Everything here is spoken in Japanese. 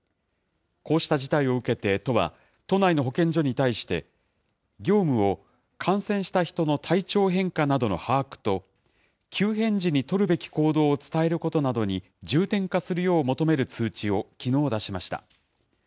こうした事態を受けて都は、都内の保健所に対して、業務を感染した人の体調変化などの把握と、急変時に取るべき行動を伝えることなどに、重点化するよう求める通知をきのう出しました。